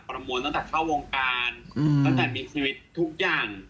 มวลตั้งแต่เข้าวงการตั้งแต่มีชีวิตทุกอย่าง